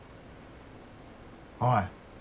おい。